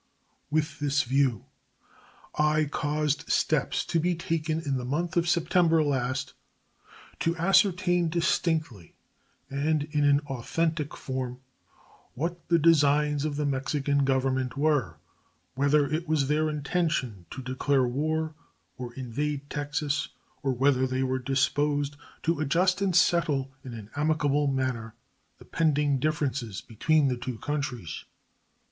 With this view I caused steps to be taken in the month of September last to ascertain distinctly and in an authentic form what the designs of the Mexican Government were whether it was their intention to declare war, or invade Texas, or whether they were disposed to adjust and settle in an amicable manner the pending differences between the two countries.